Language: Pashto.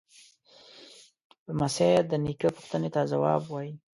لمسی د نیکه پوښتنې ته ځواب وايي.